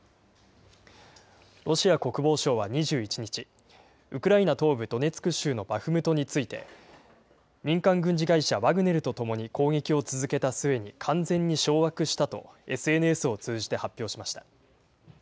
ロシア国防省は２１日、ウクライナ東部ドネツク州のバフムトについて、民間軍事会社、ワグネルと共に攻撃を続けた末に完全に掌握したと、ＳＮＳを通じて発表しました。